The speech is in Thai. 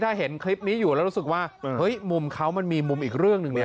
ถ้าเห็นคลิปนี้อยู่แล้วรู้สึกว่าเฮ้ยมุมเขามันมีมุมอีกเรื่องหนึ่งเนี่ย